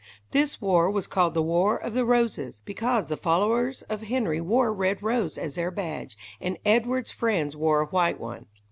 This war was called the War of the Roses, because the followers of Henry wore a red rose as their badge, and Edward's friends wore a white one.